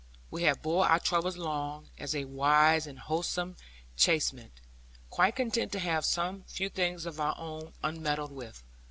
We had borne our troubles long, as a wise and wholesome chastisement; quite content to have some few things of our own unmeddled with.